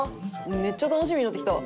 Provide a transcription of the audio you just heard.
めっちゃ楽しみになってきた。